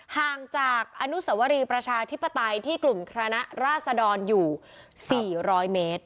ห่างจากอนุสวรีประชาธิปไตยที่กลุ่มคณะราษดรอยู่๔๐๐เมตร